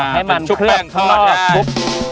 ให้มันเพลิบคลอดคลุก